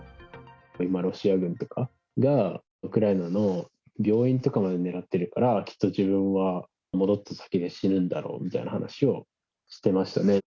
今ロシア軍とかがウクライナの病院とかまで狙ってるから、きっと自分は戻った先で死ぬんだろうみたいな話をしてましたね。